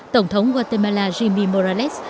tổng thống guatemala jimmy morales